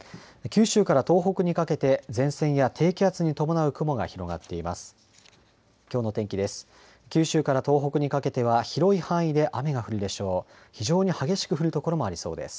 九州から東北にかけて前線や低気圧に伴う雲が広がっています。